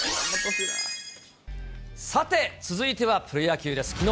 さて、続いてはプロ野球です。